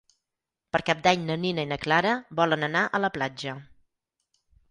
Per Cap d'Any na Nina i na Clara volen anar a la platja.